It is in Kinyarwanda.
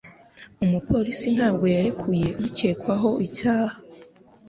Umupolisi ntabwo yarekuye ukekwaho icyaha.